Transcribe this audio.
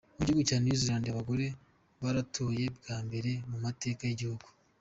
Mu gihugu cya New Zealand, abagore baratoye bwa mbere mu mateka y’icyo gihugu.